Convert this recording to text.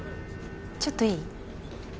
ちょっといい？